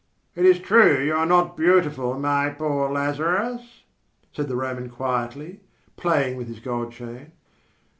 "It is true you are not beautiful, my poor Lazarus," said the Roman quietly, playing with his gold chain.